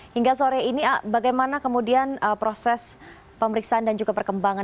hingga sore ini bagaimana kemudian proses pemeriksaan dan juga perkembangan